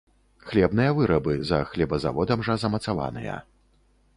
Хлебныя вырабы, за хлебазаводам жа замацаваныя.